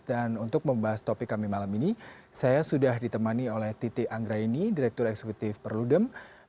dan untuk membahas topik kami malam ini saya sudah ditemani oleh titi anggraini direktur eksekutif perludem